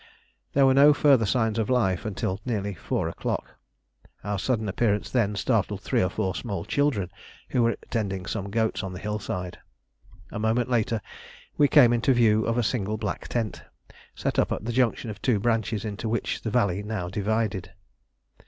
There were no further signs of life until nearly four o'clock. Our sudden appearance then startled three or four small children who were tending some goats on the hillside. A moment later we came into view of a single black tent, set up at the junction of two branches into which the valley now divided.